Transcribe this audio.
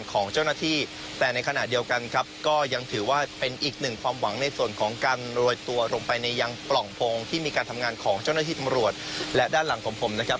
ของเจ้าหน้าที่ตำรวจและด้านหลังของผมนะครับ